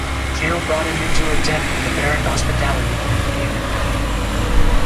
Jael brought him into her tent with apparent hospitality and gave him milk.